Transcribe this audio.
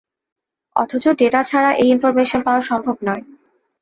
অথছ data ছাড়া এই information পাওয়া সম্ভব নয়।